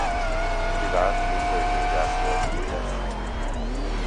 Kivált mint nőgyógyász volt híres.